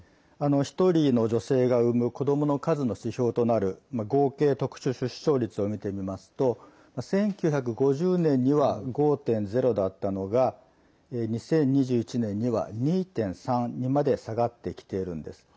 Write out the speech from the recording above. １人の女性が産む子どもの数の指標となる合計特殊出生率を見てみますと１９５０年には５．０だったのが２０２１年には、２．３にまで下がってきているんです。